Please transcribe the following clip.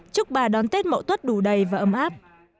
chúc bà đón tết mậu tuất đủ đầy và ấm áp